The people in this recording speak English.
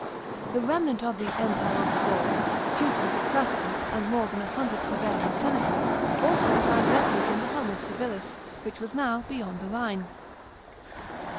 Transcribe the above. The remnant of the " empire of the Gauls," — Tutor, Classicus, and more than a hundred Treveran senators — also found refuge in the home of Civilis, which was now " beyond the Rhine."